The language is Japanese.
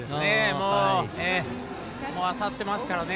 もう当たってますからね。